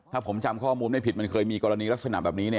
ถ้าผมจำข้อมูลไม่ผิดมันเคยมีกรณีลักษณะแบบนี้